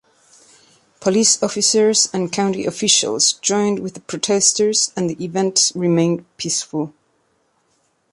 Police officers and county officials joined with the protesters and the event remained peaceful.